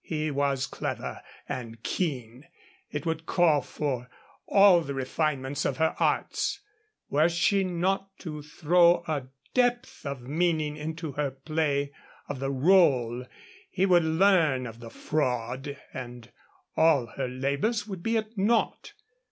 He was clever and keen. It would call for all the refinements of her arts. Were she not to throw a depth of meaning into her play of the rôle he would learn of the fraud and all her labors would be at naught.